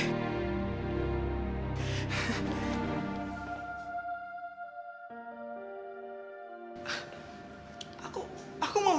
takut paham seseorang ya mas